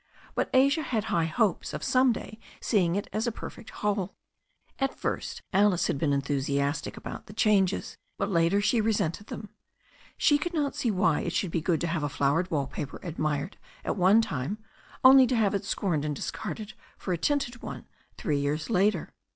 But Asia had high hopes of some day seeing it as a perfect whole. At first Alice had been enthusiastic about the changes, but later she resented them. She could not see why it should be good to have a flowered wall paper admired at one time, only to have it scorned and discarded for a tinted one three years later.